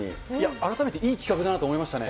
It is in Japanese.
改めていい企画だなと思いましたね。